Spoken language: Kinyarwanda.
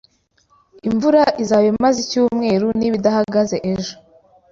Imvura izaba imaze icyumweru niba idahagaze ejo